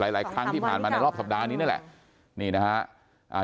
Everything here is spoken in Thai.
หลายครั้งที่ผ่านมาในรอบสัปดาห์นี้นั่นแหละ